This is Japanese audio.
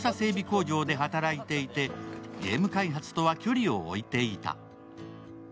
工場で働いていてゲーム開発とは距離を置いていた。